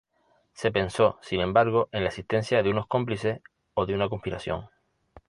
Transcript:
Se pensó, sin embargo, en la existencia de unos cómplices o de una conspiración.